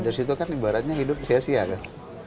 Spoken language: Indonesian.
dari situ kan ibaratnya hidup sia sia kan